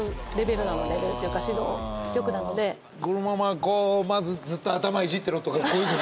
このままずっと頭いじってろとかこういうんじゃ。